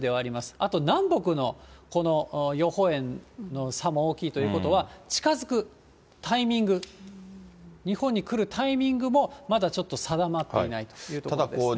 あと、南北のこの予報円の差も大きいということは、近づくタイミング、日本に来るタイミングも、まだちょっと定まっていないというところですね。